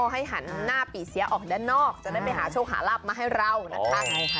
ให้หันหน้าปีเสียออกด้านนอกจะได้ไปหาโชคหาลับมาให้เรานะคะ